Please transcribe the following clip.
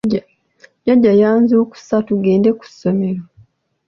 Jjajja yanzuukusa tugende ku ssomero.